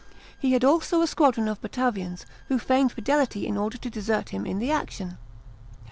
He had also a squadron of Batavians, who feigned fidelity in order to desert him in the action.